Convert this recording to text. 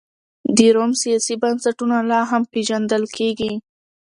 د روم سیاسي بنسټونه لا هم پېژندل کېږي.